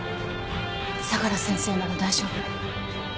相良先生なら大丈夫。